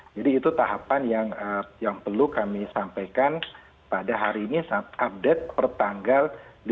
jadi itu tahapan yang perlu kami sampaikan pada hari ini saat update per tanggal